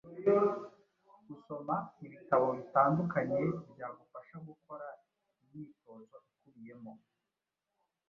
usoma ibitabo bitandukanye byagufasha gukora imyitozo ikubiyemo,